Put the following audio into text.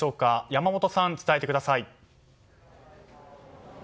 山本さん、伝えてください。